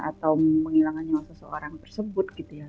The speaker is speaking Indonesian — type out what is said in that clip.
atau menghilangkan nyawa seseorang tersebut gitu ya